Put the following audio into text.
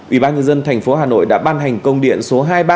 ubnd tp hà nội đã ban hành công điện số hai mươi ba